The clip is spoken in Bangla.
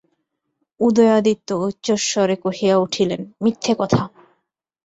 উদয়াদিত্য উচ্চৈঃস্বরে কহিয়া উঠিলেন, মিথ্যা কথা।